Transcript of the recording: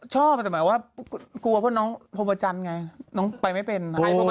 ชอบแต่หมายถึงกลัวพวกผู้น้องพมจรไงน้องไปไม่เป็น